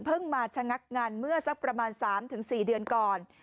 มาชะงักงานเมื่อสักประมาณ๓๔เดือนก่อน